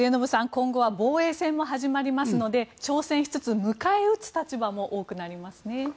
今後は防衛戦も始まりますので挑戦しつつ迎え撃つ立場も多くなりますね。